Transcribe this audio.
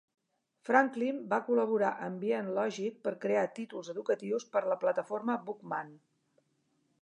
Franklin va col·laborar amb Bien Logic per crear títols educatius per a la plataforma Bookman.